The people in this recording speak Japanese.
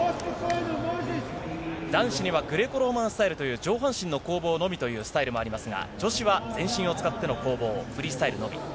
男子にはグレコローマンスタイルという、上半身の攻防のみというスタイルもありますが、女子は全身を使っての攻防、フリースタイルのみ。